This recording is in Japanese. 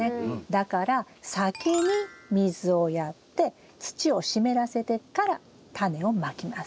だから先に水をやって土を湿らせてからタネをまきます。